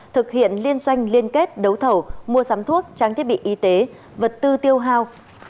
thực hiện liên doanh liên kết đấu thầu mua sắm thuốc trang thiết bị y tế vật tư tiêu hao